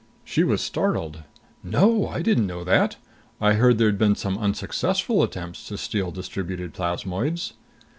She was startled. "No, I didn't know that. I heard there'd been some unsuccessful attempts to steal distributed plasmoids."